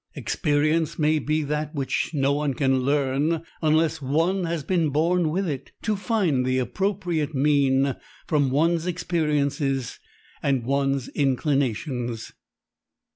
Experience may be that which no one can learn unless one has been born with it: to find the appropriate mean from one's experiences and one's inclinations.